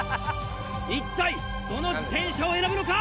一体どの自転車を選ぶのか？